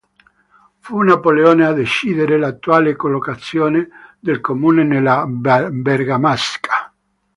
Fu Napoleone a decidere l'attuale collocazione del comune nella Bergamasca.